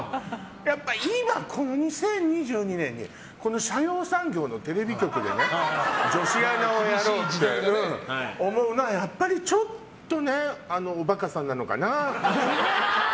やっぱ、今この２０２３年にこの斜陽産業のテレビ局で女子アナをやろうって思うのは、やっぱりちょっとねおバカさんなのかな。